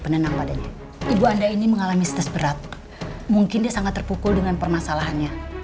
penenang padanya ibu anda ini mengalami stres berat mungkin dia sangat terpukul dengan permasalahannya